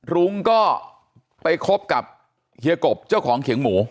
รุ้งก็ไปคบกับเฮียกบเจ้าของเขียงหมู